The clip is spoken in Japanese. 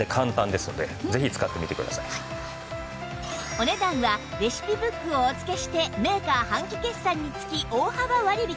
お値段はレシピブックをお付けしてメーカー半期決算につき大幅割引！